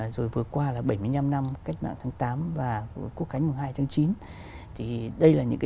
rồi vừa qua là bảy mươi năm năm cách mạng tháng tám và quốc cánh hai tháng chín